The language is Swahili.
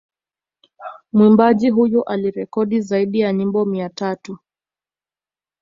Mwimbaji huyu alirekodi zaidi ya nyimbo mia tatu